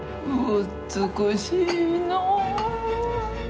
美しいのお。